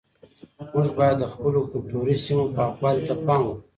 موږ باید د خپلو کلتوري سیمو پاکوالي ته پام وکړو.